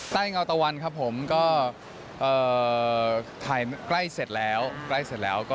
ใต้เงาตะวันถ่ายใกล้เสร็จแล้ว